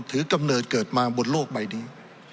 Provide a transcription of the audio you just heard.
กำเนิดเกิดมาบนโลกใบนี้